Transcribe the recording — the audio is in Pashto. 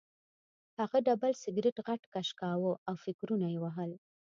هغه ډبل سګرټ غټ کش کاوه او فکرونه یې وهل